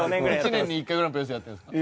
１年に１回ぐらいのペースでやってるんですか？